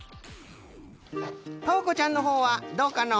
とうこちゃんのほうはどうかの？